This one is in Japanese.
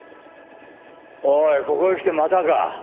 おいここへきてまたか。